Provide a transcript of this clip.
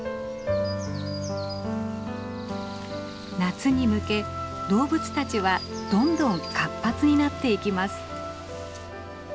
夏に向け動物たちはどんどん活発になっていきます。